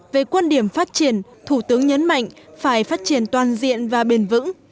về quan điểm phát triển thủ tướng nhấn mạnh phải phát triển toàn diện và bền vững